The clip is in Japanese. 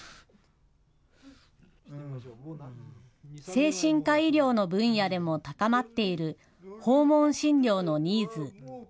精神科医療の分野でも高まっている訪問診療のニーズ。